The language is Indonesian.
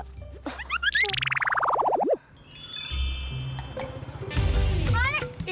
tidak ada apa apa